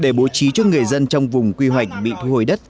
để bố trí cho người dân trong vùng quy hoạch bị thu hồi đất